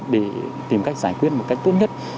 để tìm cách giải quyết một cách tốt nhất